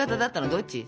どっち？